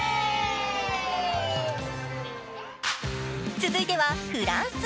続いてはフランス。